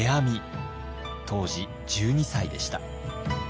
当時１２歳でした。